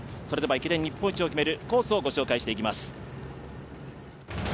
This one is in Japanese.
駅伝日本一を決めるコースをご紹介していきます。